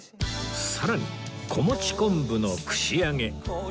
さらに子持ち昆布の串揚げ